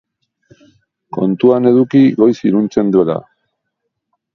Kontuan eduki goiz iluntzen duela.